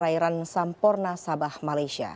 perairan samporna sabah malaysia